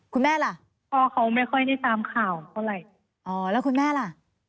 คุณแม่ล่ะพ่อเขาไม่ค่อยได้ตามข่าวเท่าไหร่อ๋อแล้วคุณแม่ล่ะ